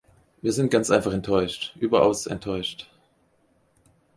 Wir sind ganz einfach enttäuscht, überaus enttäuscht.